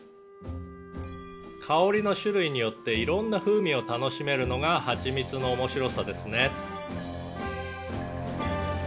「香りの種類によって色んな風味を楽しめるのがはちみつの面白さですね」